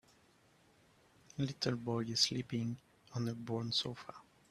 Little boy is sleeping on a brown sofa.